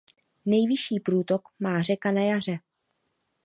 Nejvyšší průtok má řeka na jaře.